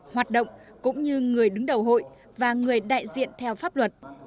hoạt động cũng như người đứng đầu hội và người đại diện theo pháp luật